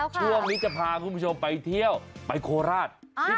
ช่วงนี้จะพาคุณผู้ชมไปเที่ยวไปโคราช